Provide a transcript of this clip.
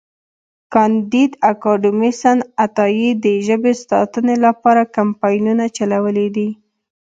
کانديد اکاډميسن عطایي د ژبې ساتنې لپاره کمپاینونه چلولي دي.